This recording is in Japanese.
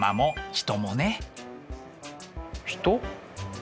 人？